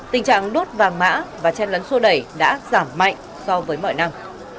tình trạng đốt vàng mã và chen lấn xô đẩy đã giảm mạnh so với mọi năm